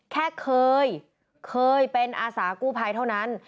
แค่เคยเคยเป็นอาสากู้ภัยเท่านั้น